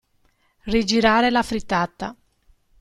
Rigirare la frittata.